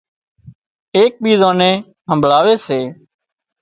ايڪ ٻيزان نين همڀۯاوي سي